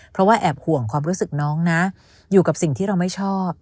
เพราะว่าแอบห่วงความรู้สึกน้องนะอยู่กับสิ่งที่เราไม่ชอบ